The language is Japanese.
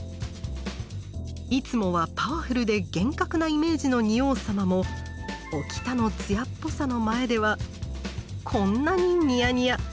いつもはパワフルで厳格なイメージの仁王様もおきたの艶っぽさの前ではこんなにニヤニヤ。